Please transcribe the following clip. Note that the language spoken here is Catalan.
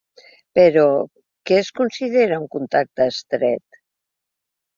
Però, què es considera un contacte estret?